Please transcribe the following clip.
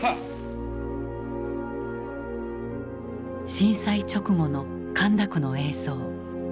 震災直後の神田区の映像。